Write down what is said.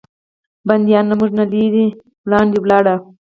بندیان له موږ نه لږ وړاندې ولاړ و.